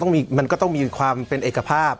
มันก็ต้องมีความเป็นเอกภาพ